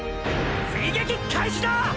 追撃開始だ！！